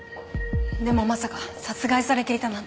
でもまさか殺害されていたなんて。